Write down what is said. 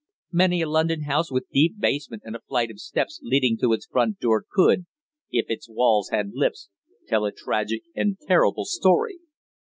Many a London house with deep basement and a flight of steps leading to its front door could, if its walls had lips, tell a tragic and terrible story.